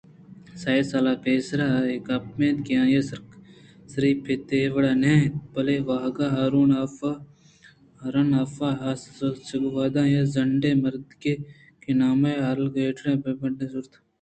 "سئے سال پیسر ے گپ اِنت کہ آئی ءَ ساری پت اے وڑا نہ اَت بلئے وہدکہ ہارن ہاف ""heran hof""ءِ آس ءِ توسگ ءِ وہداں آئی یک زنڈیں مردکے کہ نامے گالٹر اَت پہ بڈّ زُرت ءُچہ کوٹی ءَ ڈنّ کشّ اِت"